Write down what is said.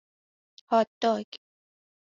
هات داگ